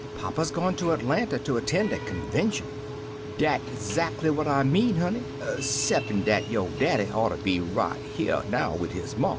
"Papa's gone to Atlanta to attend a convention/' " Dat 'zackly what I mean, honey, 'cep pin' dat yo' daddy oughter be right here nowwidhisma.